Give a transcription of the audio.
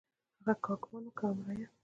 هغه که حاکمان وو که عام رعیت.